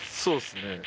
そうですね。